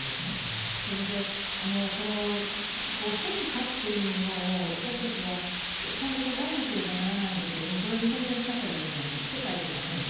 それでこの変化っていうものを私たちはちゃんと捉えなければならないんだけれどもこれは日本の社会だけじゃなくて世界的な変化ですよね。